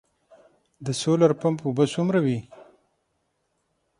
د سولر پمپ اوبه څومره وي؟